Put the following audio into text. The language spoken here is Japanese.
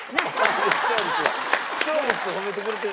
視聴率視聴率褒めてくれてる。